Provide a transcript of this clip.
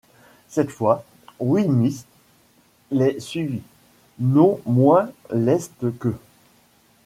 Cette fois, Will Mitz les suivit, non moins leste qu’eux.